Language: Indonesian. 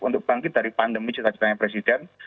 untuk bangkit dari pandemi cita citanya presiden